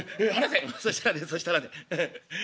「そしたらねそしたらねヘヘッ。